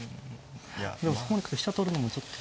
でもとにかく飛車取るのもちょっと。